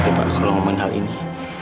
kalau momen hal ini